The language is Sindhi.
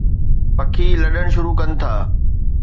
پکي لڏڻ شروع ڪن ٿا